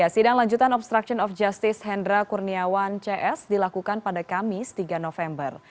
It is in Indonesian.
sidang lanjutan obstruction of justice hendra kurniawan cs dilakukan pada kamis tiga november